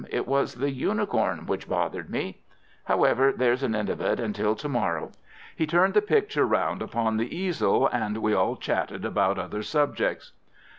It was the unicorn which bothered me. However, there's an end of it until to morrow." He turned the picture round upon the easel, and we all chatted about other subjects.